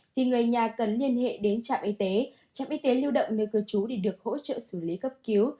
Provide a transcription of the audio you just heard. thì người nhà cần liên hệ đến trạm y tế trạm y tế lưu động nơi cư trú để được hỗ trợ xử lý cấp cứu